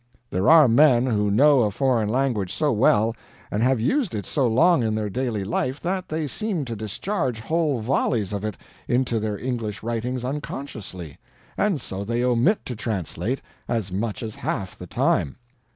There are men who know a foreign language so well and have used it so long in their daily life that they seem to discharge whole volleys of it into their English writings unconsciously, and so they omit to translate, as much as half the time.